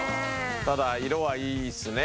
ただ色はいいっすね